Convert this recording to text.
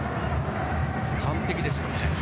完璧ですよね。